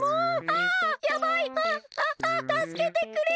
あっあったすけてくれ！